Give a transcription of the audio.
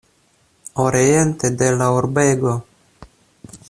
Oriente de la urbego.